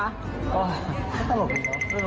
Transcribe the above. มันตลกดีครับ